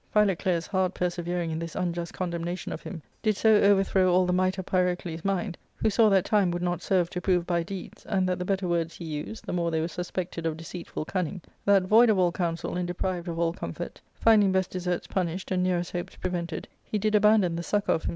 Philoclea's hard persevering in this unjust condemnation of him did so overthrow all the might of Pyrocles' mind — who saw that time would not serve to prove by deeds, and that the better words he used the more they were suspected of deceitful cunning — that, void of all counsel and deprived of all comfort, finding best deserts punished and nearest hopes prevented, he did abandon the succour of himself, and * Imposthumed — Corruptly swollen, Pi.